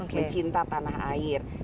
mencinta tanah air